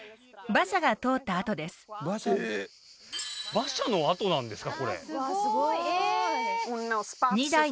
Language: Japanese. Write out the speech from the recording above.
馬車の跡なんですか？